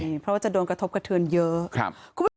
เพราะว่าจะโดนกระทบกระเทือนเยอะ